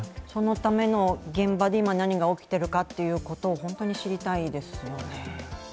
そのための現場で今、何が起きているかを本当に知りたいですよね。